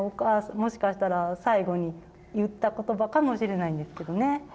もしかしたら最期に言った言葉かもしれないんですけどね。